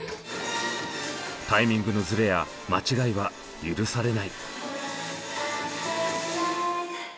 タイミングのズレや間違いは許されない。